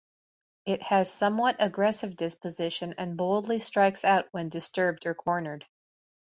It has somewhat aggressive disposition and boldly strikes out when disturbed or cornered.